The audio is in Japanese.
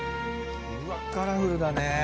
カラフルだね。